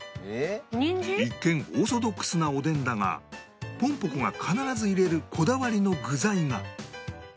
一見オーソドックスなおでんだがぽんぽ娘が必ず入れるこだわりの具材が